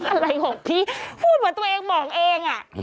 อะไรของพี่พูดเหมือนตัวเองหมองเอง